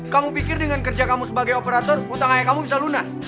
kamu pikir dengan kerja kamu sebagai operator utang ayah kamu bisa lunas